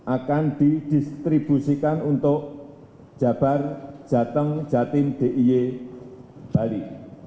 akan didistribusikan untuk jabar jateng jatim diy bali